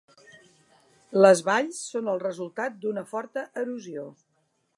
Les valls són el resultat d'una forta erosió.